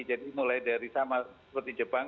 jadi mulai dari sama seperti jepang